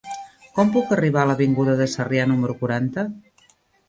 Com puc arribar a l'avinguda de Sarrià número quaranta?